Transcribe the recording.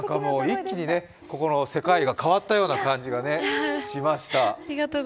一気にここの世界が変わったような感じがしました。